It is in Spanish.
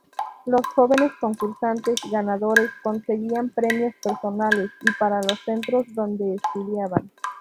Los jóvenes concursantes ganadores conseguían premios personales y para los centros donde estudiaban.